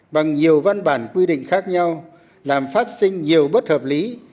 bằng nhiều văn bản quy định khác nhau làm phát sinh nhiều bất hợp lý